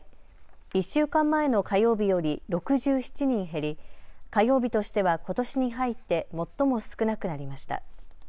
１週間前の火曜日より６７人減り、火曜日としてはことしに入って最も少なくなりました。